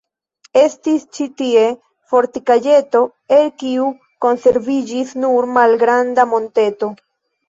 Estis ĉi tie fortikaĵeto, el kiu konserviĝis nur malgranda monteto.